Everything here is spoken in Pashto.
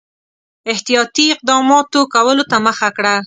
احتیاطي اقداماتو کولو ته مخه کړه.